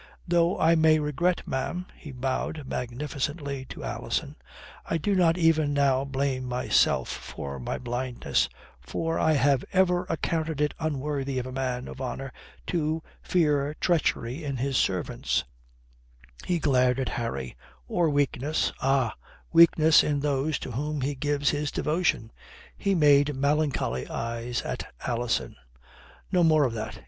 Though I may regret, ma'am" he bowed magnificently to Alison "I do not even now blame myself for my blindness, for I have ever accounted it unworthy of a man of honour to fear treachery in his servants" he glared at Harry "or weakness ah weakness in those to whom he gives his devotion" he made melancholy eyes at Alison. "No more of that.